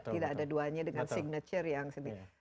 tidak ada duanya dengan signature yang sendiri